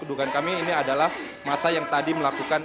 dugaan kami ini adalah masa yang tadi melakukan